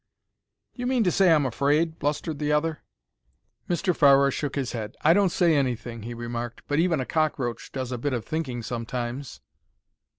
"Do you mean to say I'm afraid?" blustered the other. Mr. Farrer shook his head. "I don't say anything," he remarked; "but even a cockroach does a bit of thinking sometimes."